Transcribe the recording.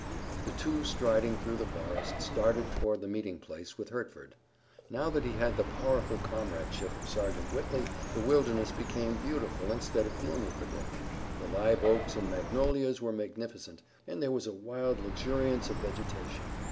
The two striding through the forest, started toward the meeting place with Hertford. Now that he had the powerful comradeship of Sergeant Whitley, the wilderness became beautiful instead of gloomy for Dick. The live oaks and magnolias were magnificent, and there was a wild luxuriance of vegetation.